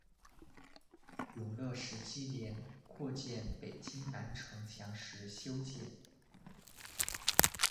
永乐十七年扩建北京南城墙时修建。